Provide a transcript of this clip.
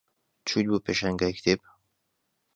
چوویت بۆ پێشانگای کتێب؟